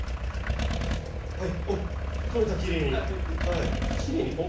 はいあっ取れたきれいに。